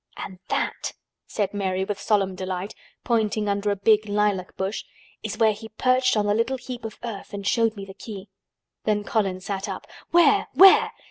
"And that," said Mary with solemn delight, pointing under a big lilac bush, "is where he perched on the little heap of earth and showed me the key." Then Colin sat up. "Where? Where?